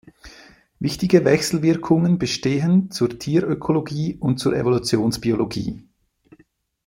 Wichtige Wechselwirkungen bestehen zur Tierökologie und zur Evolutionsbiologie.